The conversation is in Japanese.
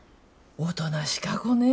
おとなしか子ね。